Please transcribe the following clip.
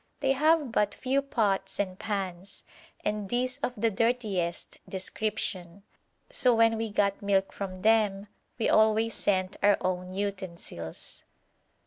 They have but few pots and pans, and these of the dirtiest description, so when we got milk from them we always sent our own utensils.